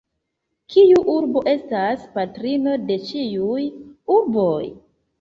Kiu urbo estas patrino de ĉiuj urboj?